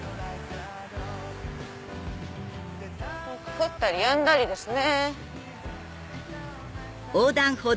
降ったりやんだりですね。